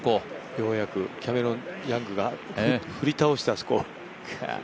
ようやくキャメロン・ヤングがふり倒して、あそこ。